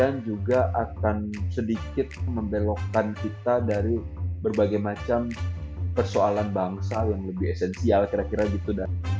juga akan sedikit membelokkan kita dari berbagai macam persoalan bangsa yang lebih esensial kira kira gitu